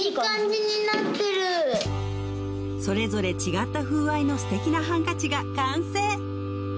それぞれ違った風合いの素敵なハンカチが完成！